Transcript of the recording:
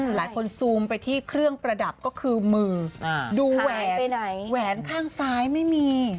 คุณผู้ชมซูมไปที่เครื่องประดับก็คือมือดูแหวนแหวนข้างซ้ายไม่มี